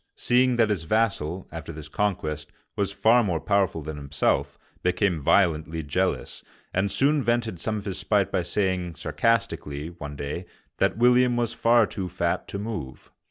seeing that his vassal, after this conquest, was far more powerful than himself, became violently jealous, and soon vented some of his spite by saying sarcastically, one day, that William was far too fat to move.